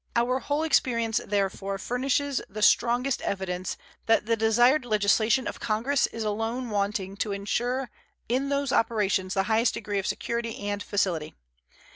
Our whole experience, therefore, furnishes the strongest evidence that the desired legislation of Congress is alone wanting to insure in those operations the highest degree of security and facility.